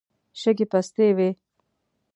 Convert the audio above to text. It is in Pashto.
شګې پستې وې.